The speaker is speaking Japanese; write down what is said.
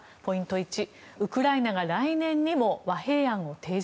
１ウクライナが来年にも和平案を提示？